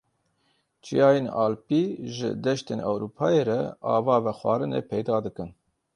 Çiyayên Alpî ji deştên Ewropayê re ava vexwarinê peyda dikin.